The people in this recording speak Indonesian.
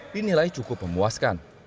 dinilai cukup memuaskan